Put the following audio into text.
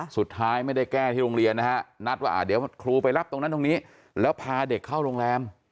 สุดท้ายไม่ได้แก้ที่โรงเรียนนะฮะนัดว่าเดี๋ยวครูไปรับตรงนั้นตรงนี้แล้วพาเด็กเข้าโรงแรม